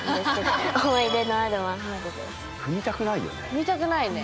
踏みたくないね。